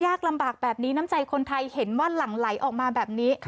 ลำบากแบบนี้น้ำใจคนไทยเห็นว่าหลั่งไหลออกมาแบบนี้